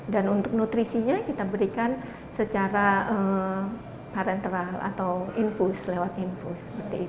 dan untuk nutrisinya kita berikan secara parental atau infus